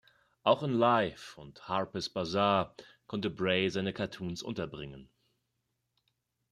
Auch in "Life" und "Harper’s Bazaar" konnte Bray seine Cartoons unterbringen.